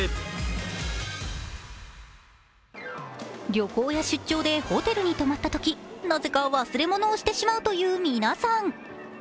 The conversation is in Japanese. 旅行や出張でホテルに泊まったときなぜか忘れ物をしてしまうという皆さん。